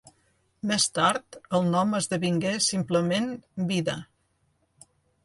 Més tard el nom esdevingué simplement Vida.